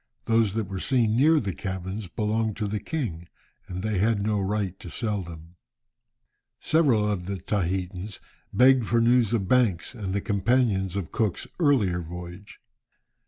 Those that were seen near the cabins belonged to the king, and they had no right to sell them. Several of the Tahitans begged for news of Banks and the companions of Cook's earlier voyage.